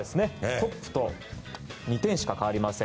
トップと２点しか変わりません。